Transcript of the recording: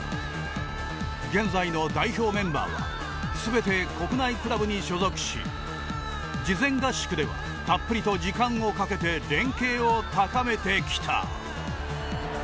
現在の代表メンバーは全て国内クラブに所属し事前合宿では、たっぷりと時間をかけて連携を高めてきた。